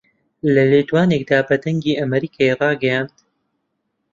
لە لێدوانێکدا بە دەنگی ئەمەریکای ڕاگەیاند